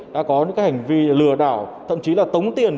đã có những hành vi lừa đảo thậm chí là tống tiền